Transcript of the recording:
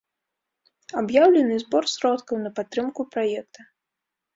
Аб'яўлены збор сродкаў на падтрымку праекта.